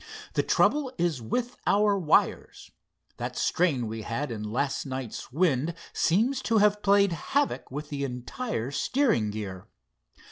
The trouble is with our wires. That strain we had in last night's wind seems to have played havoc with the entire steering gear."